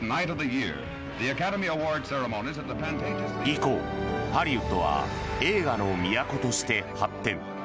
以降、ハリウッドは映画の都として発展。